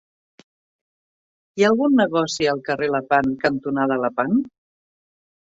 Hi ha algun negoci al carrer Lepant cantonada Lepant?